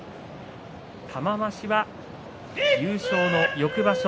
玉鷲は優勝の翌場所